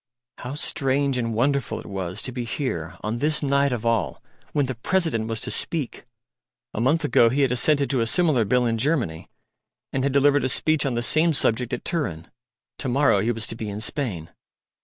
How strange and wonderful it was to be here on this night of all, when the President was to speak! A month ago he had assented to a similar Bill in Germany, and had delivered a speech on the same subject at Turin. To morrow he was to be in Spain.